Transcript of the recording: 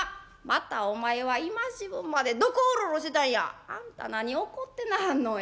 「またお前は今時分までどこウロウロしてたんや」。「あんた何怒ってなはんの。